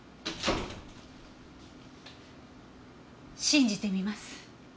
信じてみます。